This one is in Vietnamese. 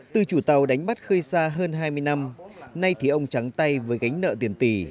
từ chủ tàu đánh bắt khơi xa hơn hai mươi năm nay thì ông trắng tay với gánh nợ tiền tỷ